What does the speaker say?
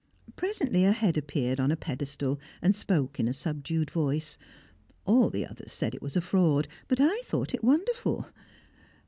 Presently a head appeared on a pedestal and spoke in a subdued voice. All the others said it was a fraud, but I thought it wonderful.